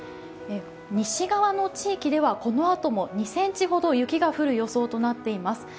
西側の地域ではこのあとも２ｃｍほど雪が降る予想となっています。